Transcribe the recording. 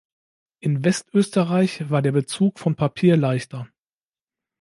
In Westösterreich war der Bezug von Papier leichter.